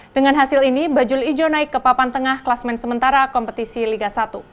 dengan hasil ini bajul ijo naik ke papan tengah kelasmen sementara kompetisi liga satu